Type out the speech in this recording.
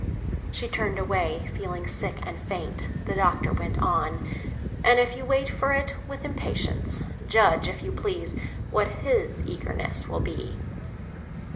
She turned away, feeling sick and faint; and the Doctor went on. "And if you wait for it with impatience, judge, if you please, what his eagerness will be!"